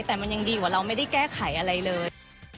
แต่มันยังดีกว่าเราไม่ได้แก้ไขอะไรเลย